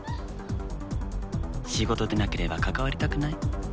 仕事でなければ関わりたくない。